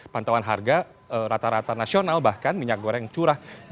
pantauan harga rata rata nasional bahkan minyak goreng curah